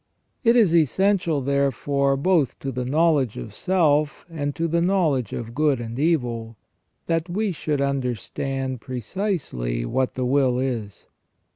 It is essential, therefore, both to the knowledge of self and to the knowledge of good and evil, that we should understand precisely what the will is.